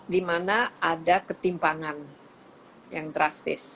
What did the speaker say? dimana ada ketimpangan yang drastis